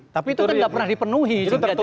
tapi itu kan tidak pernah dipenuhi